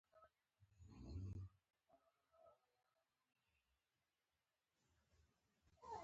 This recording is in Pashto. زه ترټلي د غنم په څو دانو یم